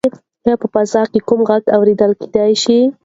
ایا په فضا کې کوم غږ اورېدل کیدی شي؟